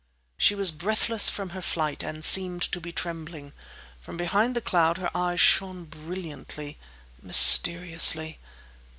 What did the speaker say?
She was breathless from her flight and seemed to be trembling. From behind the cloud her eyes shone brilliantly, mysteriously.